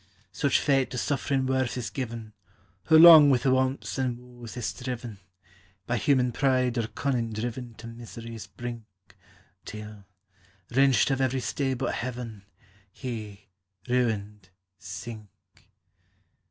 Such fate to suffering worth is given, Who long with wants and woes has striven, TREES: FLOWERS: PLANTS. 279 By human pride or cunning driven To misery's brink, Till, wrenched of every stay but Heaven, He, ruined, sink